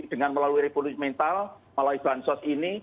dengan melalui revolusi mental melalui bahan sosial ini